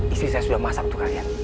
istri saya sudah masak untuk kalian